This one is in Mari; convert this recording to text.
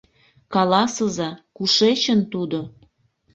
Каласыза: кушечын тудо